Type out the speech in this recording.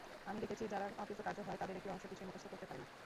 আমি দেখেছি, যারা অকৃতকার্য হয়, তাদের একটি অংশ কিছুই মুখস্থ করতে পারে না।